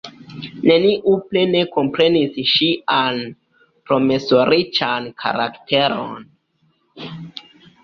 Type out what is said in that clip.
Neniu plene komprenis ŝian promesoriĉan karakteron.